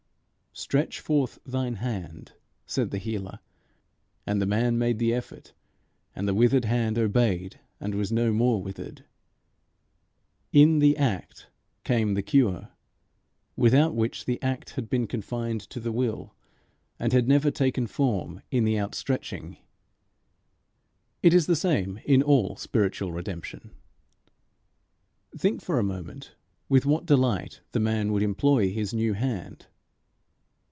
"Stretch forth thine hand," said the Healer; and the man made the effort; and the withered hand obeyed, and was no more withered. In the act came the cure, without which the act had been confined to the will, and had never taken form in the outstretching. It is the same in all spiritual redemption. Think for a moment with what delight the man would employ his new hand.